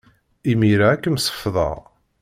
Imir-a, ad kem-sefḍeɣ.